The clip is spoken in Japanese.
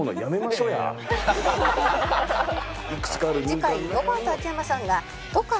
次回ロバート秋山さんが都か？